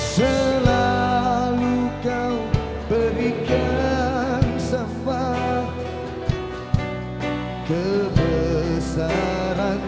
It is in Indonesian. selalu kau berikan safa kebesaran